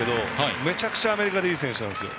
めちゃくちゃアメリカでいい選手だったんですよ。